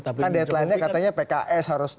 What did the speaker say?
kan deadline nya katanya pks harus